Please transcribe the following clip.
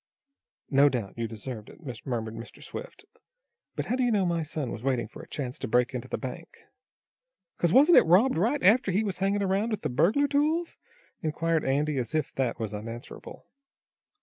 "No doubt you deserved it," murmured Mr. Swift. "But how do you know my son was waiting for a chance to break into the bank?" "'Cause, wasn't it robbed right after he was hangin' around here with the burglar tools?" inquired Andy, as if that was unanswerable.